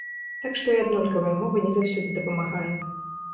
Так што і аднолькавая мова не заўсёды дапамагае.